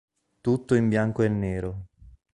Tutto in bianco e nero.